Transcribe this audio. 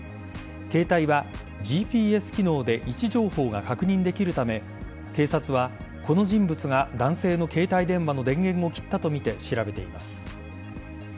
携帯はＧＰＳ機能で位置情報が確認できるため警察は、この人物が男性の携帯電話の電源を切ったとみて調べています。